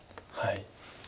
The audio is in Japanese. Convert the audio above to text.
はい。